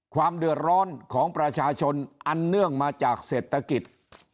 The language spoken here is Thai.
ความเดือดร้อนของประชาชนอันเนื่องมาจากเศรษฐกิจ